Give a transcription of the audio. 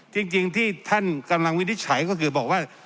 จริงที่ท่านกำลังวินิจฉัยก็คือบอกว่า